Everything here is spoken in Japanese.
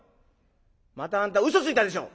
またあんた嘘ついたでしょ！」。